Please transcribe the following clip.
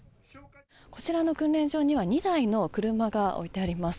こちらの訓練場には、２台の車が置いてあります。